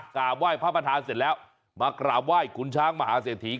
กราบไหว้พระประธานเสร็จแล้วมากราบไหว้ขุนช้างมหาเศรษฐี